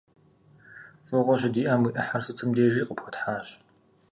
ФӀыгъуэ щыдиӀэм, уи Ӏыхьэр сытым дежи къыпхуэтхьащ.